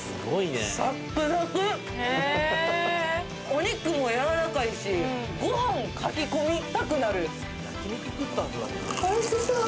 お肉もやわらかいしごはんをかき込みたくなるおいしそう！